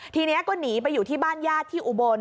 ทีนี้ก็หนีไปอยู่ที่บ้านญาติที่อุบล